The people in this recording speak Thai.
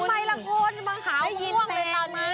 ทำไมละโขนอยู่บางขาวคว้องไม่เหลือนอนหนึ่ง